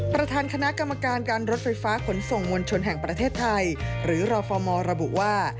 ประธานคณะกรรมการการรถไฟฟ้าขนส่งมวลชนแห่งประเทศไทยหรือรฟมระบุว่า